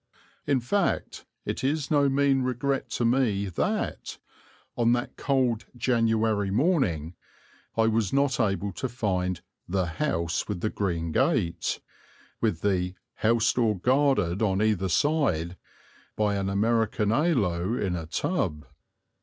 In fact, it is no mean regret to me that, on that cold January morning, I was not able to find "the house with the green gate," with the "house door guarded on either side by an American aloe in a tub."